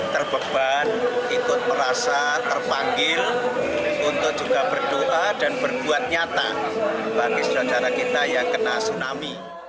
terbeban ikut merasa terpanggil untuk juga berdoa dan berbuat nyata bagi saudara saudara kita yang kena tsunami